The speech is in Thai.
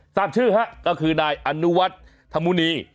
สาบชื่อก็คือนายอนุวัติธมุณี